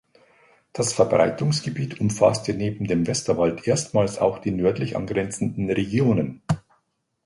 Das Verbreitungsgebiet umfasste neben dem Westerwald erstmals auch die nördlich angrenzenden Regionen.